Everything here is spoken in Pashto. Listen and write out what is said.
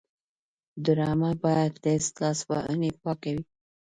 ډرامه باید له لاسوهنې پاکه وي